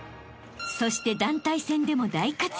［そして団体戦でも大活躍］